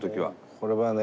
これはね